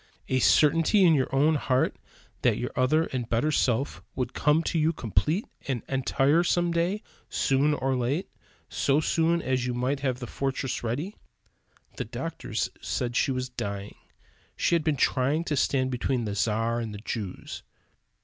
A certainty in your own heart that your other and better self would come to you complete and entire some day, soon or late, so soon as you might have the fortress ready? The doctors said she was dying. She had been trying to stand between the Czar and the Jews.